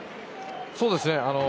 そうですね。